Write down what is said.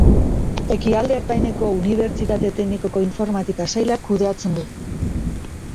Ekialde Ertaineko Unibertsitate Teknikoko informatika sailak kudeatzen du.